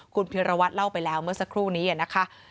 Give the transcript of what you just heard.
คุณพิรวัตรเล่าไปแล้วเมื่อสักครู่นี้นะคะ